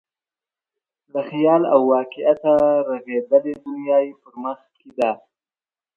له خیال او واقعیته رغېدلې دنیا یې په مخ کې ده.